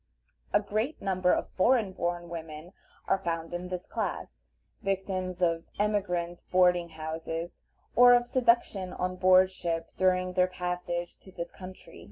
A great number of foreign born women are found in this class, victims of emigrant boarding houses, or of seduction on board ship during their passage to this country.